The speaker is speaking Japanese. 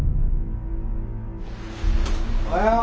おはよう。